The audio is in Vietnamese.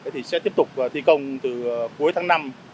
thì sẽ tiếp tục thi công từ cuối tháng năm